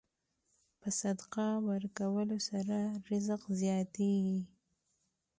په صدقه ورکولو سره رزق زیاتېږي.